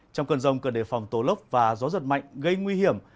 trong cơn rông cần đề phòng tố lốc và gió giật mạnh gây nguy hiểm